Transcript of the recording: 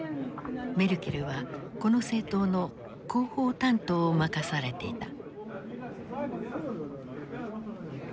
メルケルはこの政党の広報担当を任されていた。